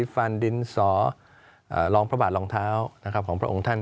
ฟันดินสอรองพระบาทรองเท้าของพระองค์ท่าน